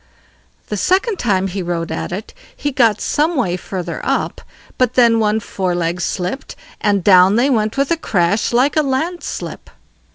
The second time he rode at it he got some way further up; but then one fore leg slipped, and down they went with a crash like a landslip.